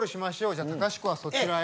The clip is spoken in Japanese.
じゃあ隆子はそちらへ。